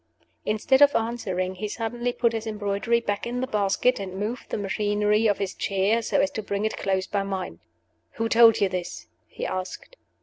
Instead of answering, he suddenly put his embroidery back in the basket, and moved the machinery of his chair, so as to bring it close by mine. "Who told you this?" he asked.